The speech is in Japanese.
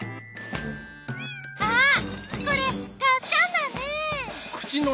あっこれがっしゃんだね。